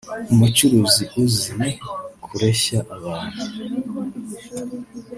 umucuruzi uzi kureshya abantu